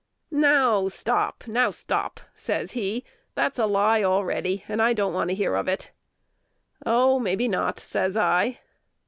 "Now stop, now stop!" says he: "that's a lie a'ready, and I don't want to hear of it." "Oh! maybe not," says I.